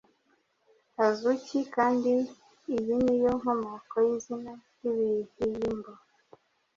Azuki" kandi iyi niyo nkomoko yizina ryibihyimbo